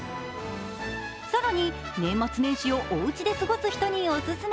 更に、年末年始をおうちで過ごす人にお勧め。